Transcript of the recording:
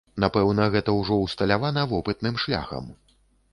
Напэўна, гэта ўжо ўсталявана вопытным шляхам.